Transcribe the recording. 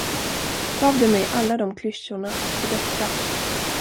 Gav du mig alla de klyschorna för detta?